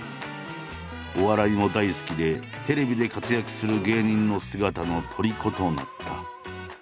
お笑いも大好きでテレビで活躍する芸人の姿の虜となった。